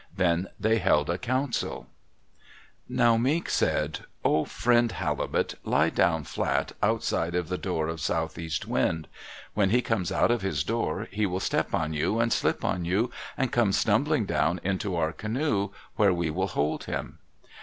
Then they held a council. Now Mink said, "Oh, friend Halibut! Lie down flat outside of the door of Southeast Wind. When he comes out of his door, he will step on you, and slip on you, and come stumbling down into our canoe, where we will hold him."